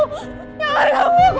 jangan ganggu aku